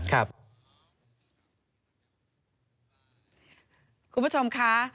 ครับคุณผู้ชมค่ะ